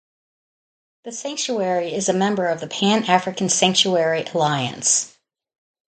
The Sanctuary is a member of the Pan African Sanctuary Alliance.